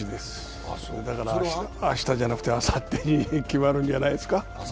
だから明日じゃなくて、あさってに決まるんじゃないですか。